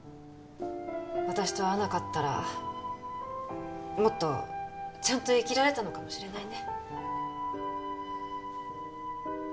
私と会わなかったらもっとちゃんと生きられたのかもしれないね